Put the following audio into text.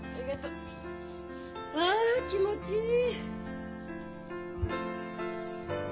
うわ気持ちいい！